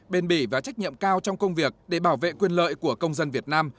bền bỉ và trách nhiệm cao trong công việc để bảo vệ quyền lợi của công dân việt nam